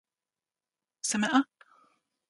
seme a?